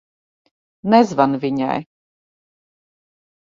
Nezvani viņai.